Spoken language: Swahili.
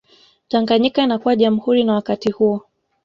Tanganyika inakuwa jamhuri na wakati huo